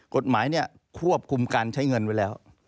กฎหมายเนี่ยควบคุมการใช้เงินไว้แล้ว